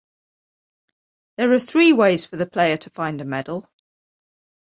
There are three ways for the player to find a Medal.